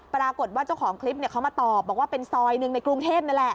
ปรากฏว่าเจ้าของคลิปเขามาตอบบอกว่าเป็นซอยหนึ่งในกรุงเทพนั่นแหละ